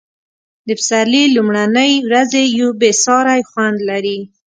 د پسرلي لومړنۍ ورځې یو بې ساری خوند لري.